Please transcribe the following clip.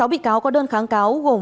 sáu bị cáo có đơn kháng cáo gồm